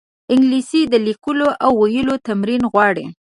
انګلیسي د لیکلو او ویلو تمرین غواړي